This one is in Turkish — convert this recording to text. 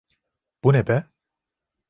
Bu ne be?